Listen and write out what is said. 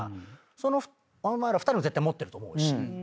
そのお前ら２人も絶対持ってると思うし。